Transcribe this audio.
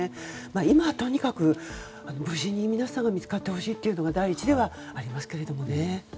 今はとにかく無事に皆さんが見つかってほしいというのが第一にありますけどね。